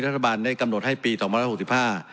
รัฐบาลได้กำหนดให้ปีหนึ่งหกสิบห้า